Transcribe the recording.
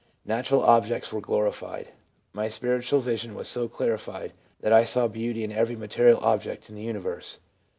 Natural objects were glorified. My spiritual vision was so clarified that I saw beauty in every material object in the universe.